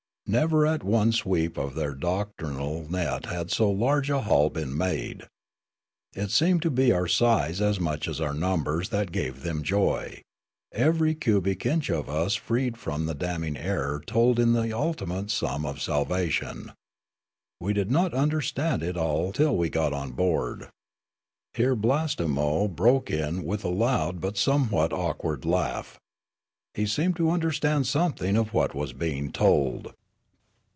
Never at one sweep of their doctrinal net had so large a haul been made. It seemed to be our size as much as our numbers that gave them jo} ; every cubic inch of us freed from the damning error told in the ultimate sum of salvation. We did not understand it all till we got on board." Here Blastemo broke in with a loud but somewhat awkward laugh. He seemed to understand something of what was being told.